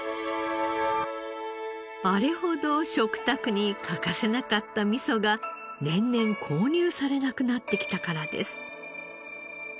あれほど食卓に欠かせなかった味噌が年々購入されなくなってきたからです。